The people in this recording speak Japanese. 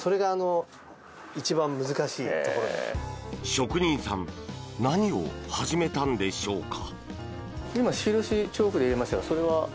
職人さん何を始めたんでしょうか？